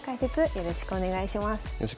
よろしくお願いします。